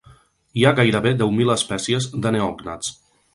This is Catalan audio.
Hi ha gairebé deu mil espècies de neògnats.